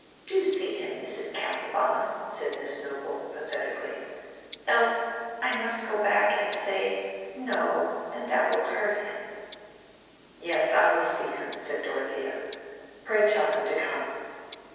"Do see him, Mrs. Casaubon," said Miss Noble, pathetically; "else I must go back and say No, and that will hurt him." "Yes, I will see him," said Dorothea. "Pray tell him to come."